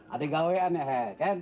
ada gawean ya ken